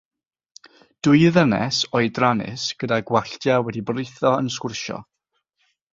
Dwy ddynes oedrannus gyda gwalltiau wedi britho yn sgwrsio.